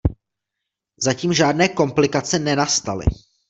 Zatím žádné komplikace nenastaly.